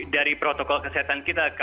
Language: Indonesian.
dari protokol kesehatan kita